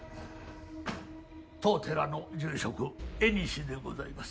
当寺の住職江西でございます。